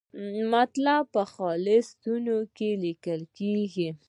مطلب په خلص ستون کې لیکل کیږي.